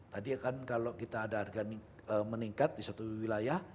tadi kan kalau kita ada harga meningkat di satu wilayah